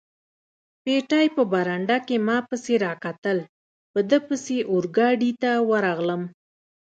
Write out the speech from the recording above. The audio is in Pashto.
پېټی په برنډه کې ما پسې را کتل، په ده پسې اورګاډي ته ورغلم.